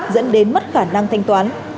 dẫn đến mất khả năng thanh toán